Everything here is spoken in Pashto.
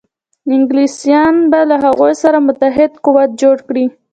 انګلیسیان به له هغوی سره متحد قوت جوړ کړي.